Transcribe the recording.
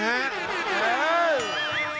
หันไปดูหน้าภรรยาสิครับ